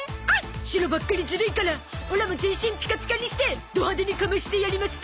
シロばっかりずるいからオラも全身ピカピカにしてド派手にかましてやりますか